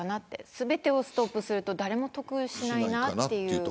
全てをストップすると誰も得しない。